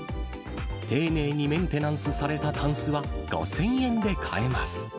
丁寧にメンテナンスされたタンスは、５０００円で買えます。